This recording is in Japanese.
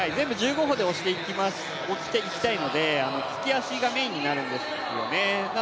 全部１５歩でおしていきたいので利き足がメインになるんですよね。